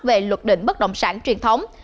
về luật định bất động sản truyền thống